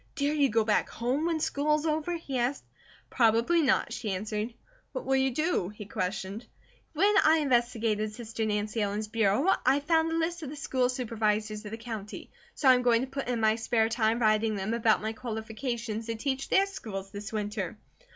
"Dare you go back home when school is over?" he asked. "Probably not," she answered. "What will you do?" he questioned. "When I investigated sister Nancy Ellen's bureau I found a list of the School Supervisors of the county, so I am going to put in my spare time writing them about my qualifications to teach their schools this winter.